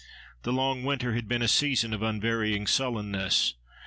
The long winter had been a season of unvarying sullenness.